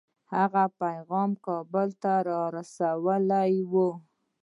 هغه پیغام کابل ته رسولی وو.